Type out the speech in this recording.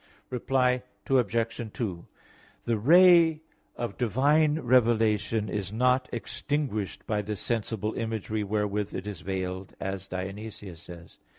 Reply Obj. 2: The ray of divine revelation is not extinguished by the sensible imagery wherewith it is veiled, as Dionysius says (Coel.